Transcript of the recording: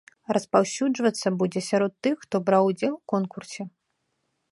Распаўсюджвацца будзе сярод тых, хто браў удзел у конкурсе.